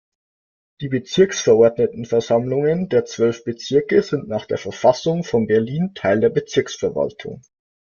Die Bezirksverordnetenversammlungen der zwölf Bezirke sind nach der Verfassung von Berlin Teil der Bezirksverwaltung.